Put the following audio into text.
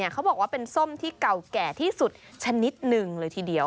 เขาบอกว่าเป็นส้มที่เก่าแก่ที่สุดชนิดหนึ่งเลยทีเดียว